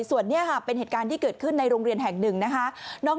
ส่วนนี้ค่ะเป็นเหตุการณ์ที่เกิดขึ้นในโรงเรียนแห่งหนึ่งนะคะ